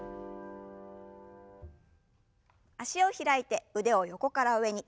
脚を開いて腕を横から上に。